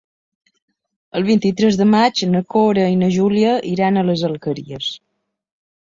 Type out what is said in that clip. El vint-i-tres de maig na Cora i na Júlia iran a les Alqueries.